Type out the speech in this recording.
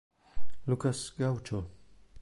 Lucas Gaúcho